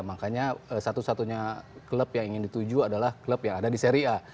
makanya satu satunya klub yang ingin dituju adalah klub yang ada di seri a